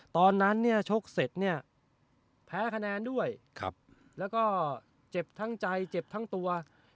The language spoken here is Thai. ตอนนั้นเนี่ยชกเสร็จเนี่ยแพ้คะแนนด้วยแล้วก็เจ็บทั้งใจเจ็บทั้งตัว